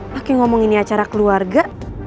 makin ngomong ini acara keluarga